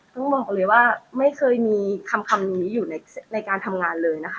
ต้องบอกเลยว่าไม่เคยมีคำนี้อยู่ในการทำงานเลยนะคะ